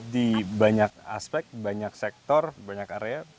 di banyak aspek banyak sektor banyak area